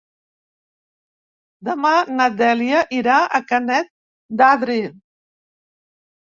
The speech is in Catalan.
Demà na Dèlia irà a Canet d'Adri.